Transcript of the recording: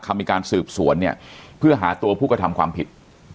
มีการสืบสวนเนี่ยเพื่อหาตัวผู้กระทำความผิด